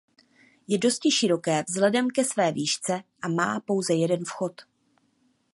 Je dosti široké vzhledem ke své výšce a má pouze jeden vchod.